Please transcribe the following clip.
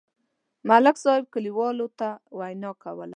ملک صاحب کلیوالو ته وینا کوله.